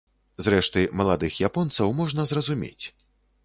Зрэшты, маладых японцаў можна зразумець.